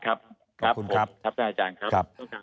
ครับครับผมครับท่านอาจารย์ครับ